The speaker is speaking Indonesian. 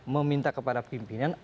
meminta kepada pimpinan